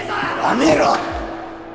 やめろ！